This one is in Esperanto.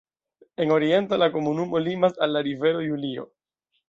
En oriento la komunumo limas al la rivero Julio.